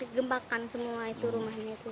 terus dikepapkan semua itu rumahnya itu